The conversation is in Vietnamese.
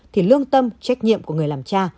thì lương tâm trách nhiệm của người làm cha